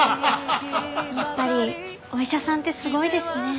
やっぱりお医者さんってすごいですね。